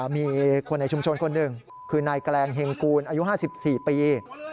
มีคนในชุมชนคนหนึ่งคือนายแกลงเฮงกูลอายุ๕๔ปี